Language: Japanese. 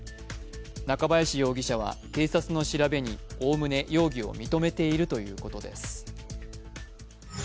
中林容疑者は警察の調べにおおむね容疑を認めているということです。